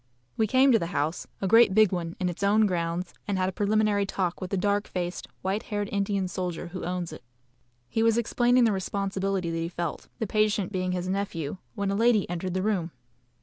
We came to the house, a great big one, in its own grounds, and had a preliminary talk with the dark faced, white haired Indian soldier who owns it. He was explaining the responsibility that he felt, the patient being his nephew, when a lady entered the room.